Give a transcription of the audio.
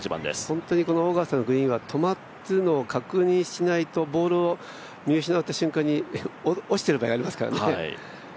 本当にオーガスタのグリーンは止まったのを確認しないと、ボールを見失った瞬間に落ちている場合がありますからね。